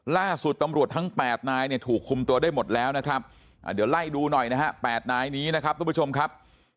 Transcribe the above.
ล่าสุดตำรวจทั้ง๘นายถูกคุมตัวได้หมดแล้วนะครับ